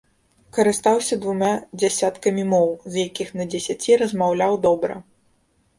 Карыстаўся двума дзясяткамі моў, з якіх на дзесяці размаўляў добра.